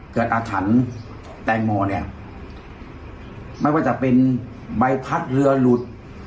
อาถรรพ์แตงโมเนี่ยไม่ว่าจะเป็นใบพัดเรือหลุด